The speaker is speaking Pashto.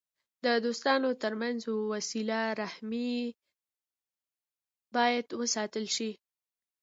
د دوستانو ترمنځ وسیله رحمي باید وساتل سي.